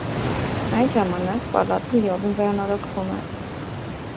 Այդ ժամանակ պալատը լիովին վերանորոգվում է։